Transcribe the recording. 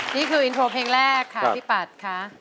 นี่คืออินโทรเพลงแรกค่ะพี่ปัดค่ะ